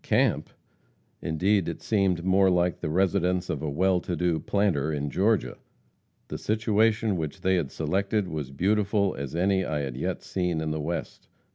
Camp! Indeed, it seemed more like the residence of a well to do planter in Georgia. The situation which they had selected was beautiful as any I had yet seen in the West.